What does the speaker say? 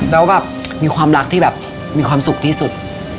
แล้วแบบมีความรักที่แบบมีความสุขที่สุด